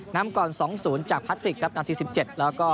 นำก่อนสองศูนย์จากพัทฟิกครับนัดที่สิบเจ็ดแล้วก็